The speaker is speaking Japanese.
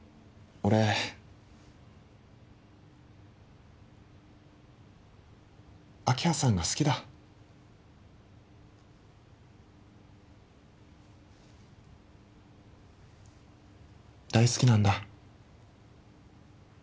俺明葉さんが好きだ大好きなんだ